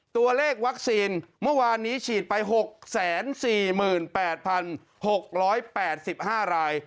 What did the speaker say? ตัวเลขวัคซีนเมื่อวานนี้ฉีดไปหกแสนสี่หมื่นแปดพันหกร้อยแปดสิบห้าราย